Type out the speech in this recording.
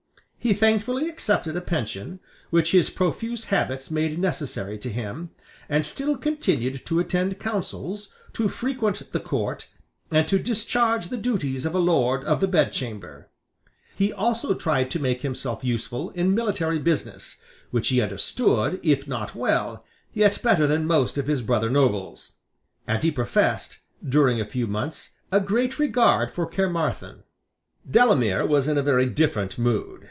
He thankfully accepted a pension, which his profuse habits made necessary to him, and still continued to attend councils, to frequent the Court, and to discharge the duties of a Lord of the Bedchamber, He also tried to make himself useful in military business, which he understood, if not well, yet better than most of his brother nobles; and he professed, during a few months, a great regard for Caermarthen. Delamere was in a very different mood.